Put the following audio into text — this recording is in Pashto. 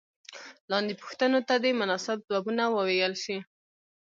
لاندې پوښتنو ته دې مناسب ځوابونه وویل شي.